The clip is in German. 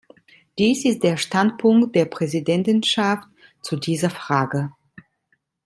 Dies ist der Standpunkt der Präsidentschaft zu dieser Frage.